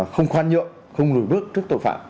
không khoan nhượng không lùi bước trước tội phạm